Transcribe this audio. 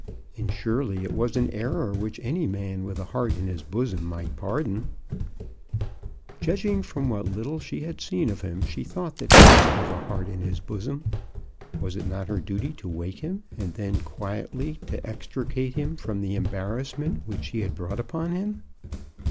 And surely it was an error which any man with a heart in his bosom might pardon ! Judging from what little she had seen of him, she thought that he must have a heart in his bosom. Was it not her duty to wake him, and then quietly to, extricate him from the embarrass ment which she had brought upon him?